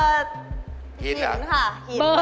อเรนนี่มันต้องฟังอยู่ค่ะ